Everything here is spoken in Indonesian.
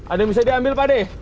ada yang bisa diambil pak deh